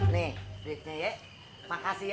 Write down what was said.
nih berikutnya ya makasih ya